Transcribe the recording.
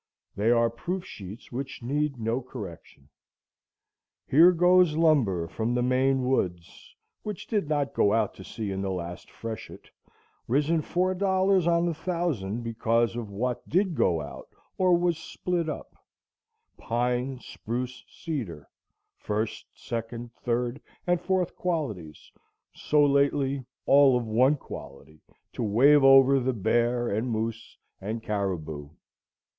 They are proof sheets which need no correction. Here goes lumber from the Maine woods, which did not go out to sea in the last freshet, risen four dollars on the thousand because of what did go out or was split up; pine, spruce, cedar,—first, second, third, and fourth qualities, so lately all of one quality, to wave over the bear, and moose, and caribou.